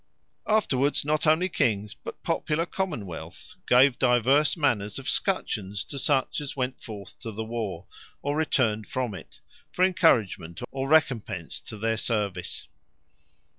Afterwards, not onely Kings, but popular Common wealths, gave divers manners of Scutchions, to such as went forth to the War, or returned from it, for encouragement, or recompence to their service.